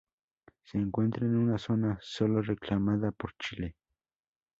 Se encuentra en una zona solo reclamada por Chile.